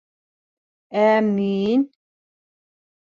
Ә мин?..